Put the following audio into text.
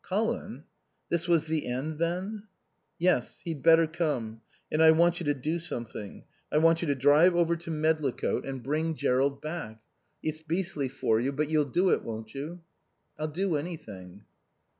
"Colin?" This was the end then. "Yes. He'd better come. And I want you to do something. I want you to drive over to Medlicote and bring Jerrold back. It's beastly for you. But you'll do it, won't you?" "I'll do anything."